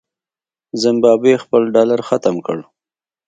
زمبابوې خپل ډالر ختم کړ.